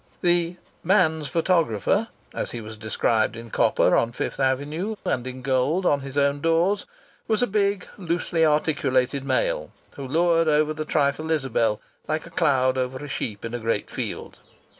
The "man's photographer," as he was described in copper on Fifth Avenue and in gold on his own doors, was a big, loosely articulated male, who loured over the trifle Isabel like a cloud over a sheep in a great field.